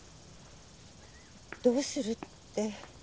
どうするって。